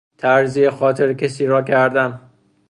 ترضیه خاطر کسی را کردن